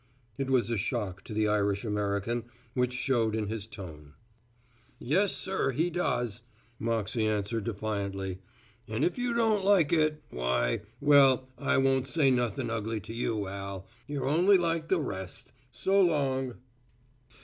It was a shock to the Irish American, which showed in his tone. "Yes, sir, he does," Moxey answered defiantly, "and if you don't like it why well, I won't say nuthin' ugly to you, Al you're only like the rest. S'long."